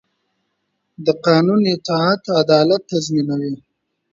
د قانون اطاعت عدالت تضمینوي